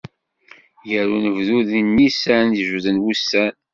Gar unebdu d nnisan jebbden wussan.